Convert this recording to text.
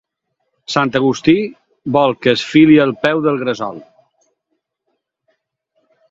Sant Agustí vol que es fili al peu del gresol.